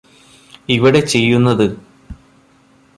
ഇവിടെ ചെയ്യുന്നത്